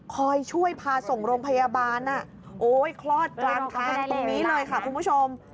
คอยช่วยพาส่งโรงพยาบาลโอ้ยคลอดกลางทางตรงนี้เลยค่ะคุณผู้ชม